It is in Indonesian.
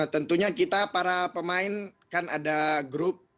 tentunya kita para pemain kan ada grup